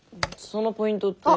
そのポイントって。